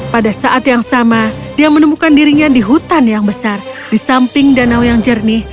pada saat yang sama dia menemukan dirinya di hutan yang besar di samping danau yang jernih